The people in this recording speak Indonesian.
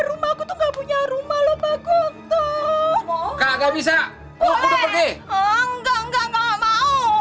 rumah aku tuh gak punya rumah lo pak gonta gak bisa boleh enggak enggak enggak mau